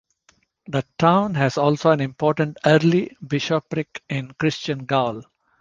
The town was also an important early bishopric in Christian Gaul.